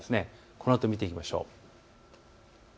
このあと見ていきましょう。